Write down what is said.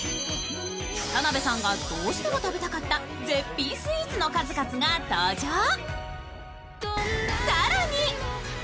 田辺さんがどうしても食べたかった絶品スイーツの数々が登場。